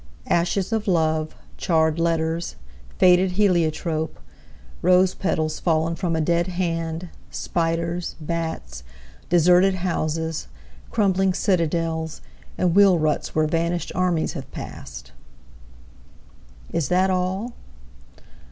Ashes of love, charred letters, faded heliotrope, Rose petals fallen from a dead hand, Spiders, bats, deserted houses, crumbling citadels, And wheel ruts where vanished armies have passed. Is that all?